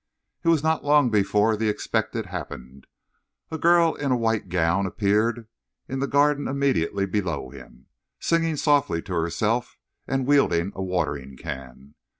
It was not long before the expected happened. A girl in a white gown appeared in the garden immediately below him, singing softly to herself and wielding a watering can.